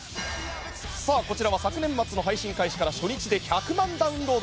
こちらは昨年末の配信開始から初日で１００万ダウンロード